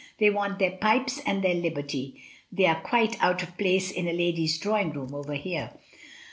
"They want their pipes arid their liberty; they are quite but of place in a lady's drawing room over here."'